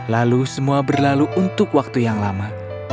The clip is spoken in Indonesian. lalu semua berlalu untuk waktu yang lama